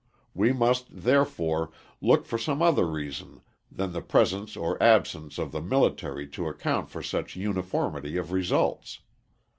We must, therefore, look for some other reason than the presence or absence of the military to account for such uniformity of results.